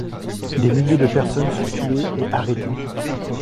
Des milliers de personnes sont tuées et arrêtées.